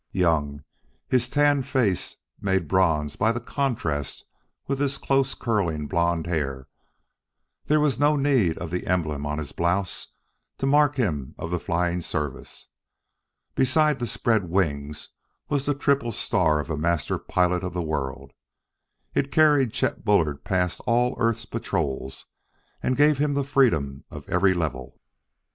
Young, his tanned face made bronze by contrast with his close curling blond hair, there was no need of the emblem on his blouse to mark him as of the flying service. Beside the spread wings was the triple star of a master pilot of the world; it carried Chet Bullard past all earth's air patrols and gave him the freedom of every level.